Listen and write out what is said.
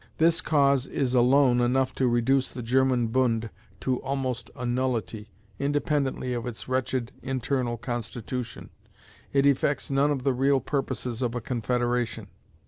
This cause is alone enough to reduce the German Bund to almost a nullity, independently of its wretched internal constitution. It effects none of the real purposes of a confederation.